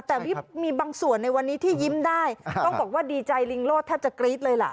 แต่มีบางส่วนในวันนี้ที่ยิ้มได้ต้องบอกว่าดีใจลิงโลดแทบจะกรี๊ดเลยล่ะ